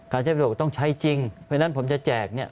ใช้ประโยชน์ต้องใช้จริงเพราะฉะนั้นผมจะแจกเนี่ย